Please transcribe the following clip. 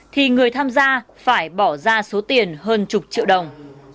thì người tham gia phải bỏ ra số tiền hơn chục triệu đồng